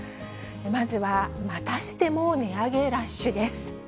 まずはまたしても値上げラッシュです。